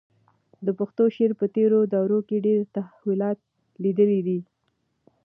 د پښتو شعر په تېرو دورو کې ډېر تحولات لیدلي دي.